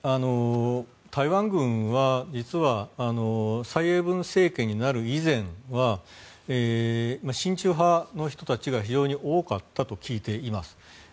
台湾軍は実は蔡英文政権になる以前は親中派の人たちが非常に多かったと聞いています。